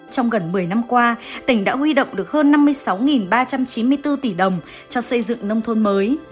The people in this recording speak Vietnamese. trong gần một mươi năm qua tỉnh đã huy động được hơn năm mươi sáu ba trăm chín mươi bốn tỷ đồng cho xây dựng nông thôn mới